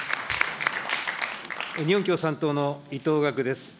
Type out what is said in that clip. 日本共産党の伊藤岳です。